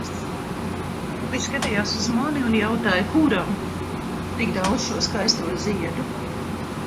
Viņš skatījās uz mani un jautāja, kuram tik daudz šo skaisto ziedu?